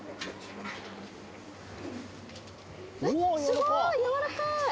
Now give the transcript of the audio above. すごいやわらかい！